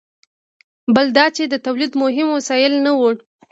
بل دا چې د تولید مهم وسایل نه وو.